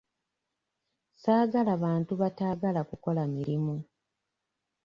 Saagala bantu bataagala kukola mirimu.